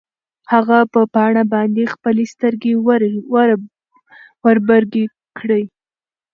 هغه په پاڼه باندې خپلې سترګې وربرګې کړې.